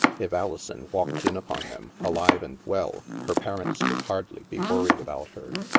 If Alison walked in upon them, alive and well, her parents could hardly be worried about her.